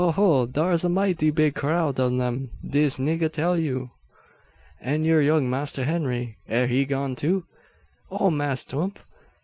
ho! Dar's a mighty big crowd ob dem, dis nigga tell you." "An' yur young Master Henry air he gone too?" "O Mass' 'Tump!